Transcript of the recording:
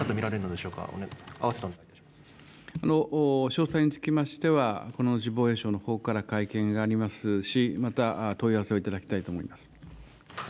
詳細につきましては、この後、防衛省のほうから会見がありますし、また問い合わせをいただきたいと思います。